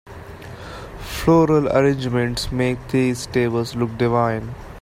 Floral arrangements make these tables look divine.